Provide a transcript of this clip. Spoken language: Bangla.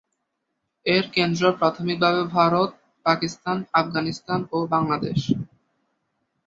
এর কেন্দ্র প্রাথমিকভাবে ভারত, পাকিস্তান, আফগানিস্তান ও বাংলাদেশ।